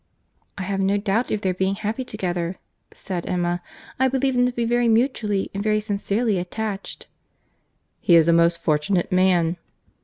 "I have no doubt of their being happy together," said Emma; "I believe them to be very mutually and very sincerely attached." "He is a most fortunate man!"